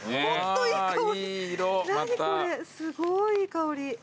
すごいいい香り。